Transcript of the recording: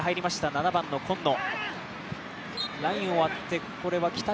７番の今野。